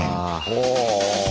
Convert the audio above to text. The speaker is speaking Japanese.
ほう。